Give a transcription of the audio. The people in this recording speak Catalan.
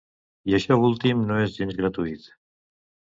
I això últim no és gens gratuït.